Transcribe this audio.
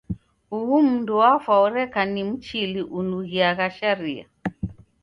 Uhu mndu wafwa oreka ni Mchili unughiagha sharia.